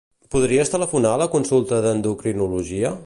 Podries telefonar a la consulta d'endocrinologia?